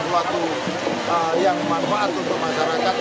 sesuatu yang manfaat untuk masyarakat